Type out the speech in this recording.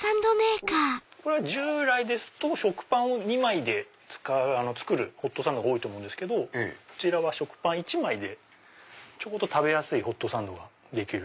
これは従来ですと食パン２枚で作るホットサンドが多いと思うんですけどこちらは食パン１枚でちょうど食べやすいホットサンドができる。